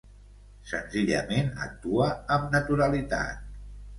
Senzillament actua amb naturalitat.